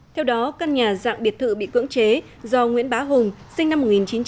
theo đó căn nhà dạng biệt thự bị cưỡng chế do nguyễn bá hùng sinh năm một nghìn chín trăm bảy mươi